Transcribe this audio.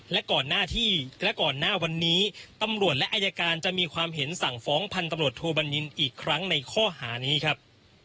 และก่อนหน้าที่และก่อนหน้าวันนี้ตำรวจและอายการจะมีความเห็นสั่งฟ้องพันธุ์ตำรวจโทบัญญินอีกครั้งในข้อหานี้ครับ